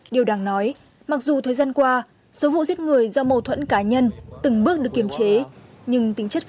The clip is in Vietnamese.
điều đáng nói mặc dù thời gian qua số vụ giết người do mâu thuẫn cá nhân từng bước được kiềm chế